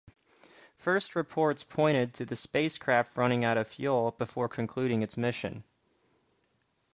First reports pointed to the spacecraft running out of fuel before concluding its mission.